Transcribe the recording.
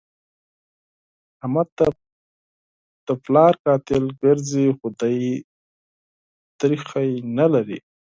احمد ته د پلار قاتل ګرځي؛ خو دی تريخی نه لري.